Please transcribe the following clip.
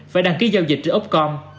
phải đăng ký giao dịch trên upcom